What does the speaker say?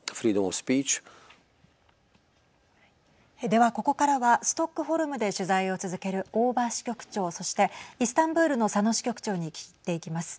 では、ここからはストックホルムで取材を続ける大庭支局長そしてイスタンブールの佐野支局長に聞いていきます。